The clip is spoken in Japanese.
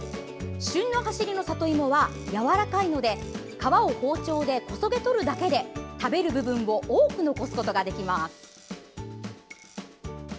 旬の走りの里芋はやわらかいので皮を包丁でこそげ取るだけで食べる部分を多く残すことができます。